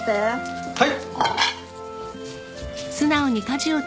はい！